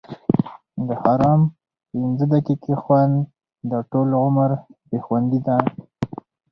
د حرام پنځه دقیقې خوند؛ د ټولو عمر بې خوندي ده.